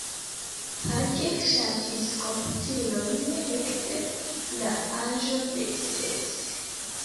Page ŝatis komputilojn ekde la aĝo de ses.